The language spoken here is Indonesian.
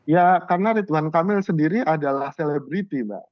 ya karena ridwan kamil sendiri adalah selebriti mbak